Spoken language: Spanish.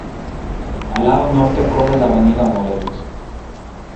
Al lado norte corre la Avenida Morelos.